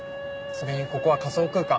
それにここは仮想空間。